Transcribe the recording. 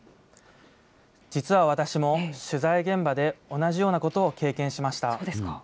実は私も、取材現場で同じようなことを経験しました。